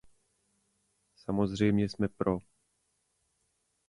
Samozřejmě jsme pro.